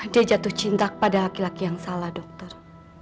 dia jatuh cinta pada laki laki yang salah dokter